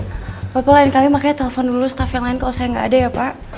gak apa apa lain kali makanya telpon dulu staff yang lain kalau saya gak ada ya pak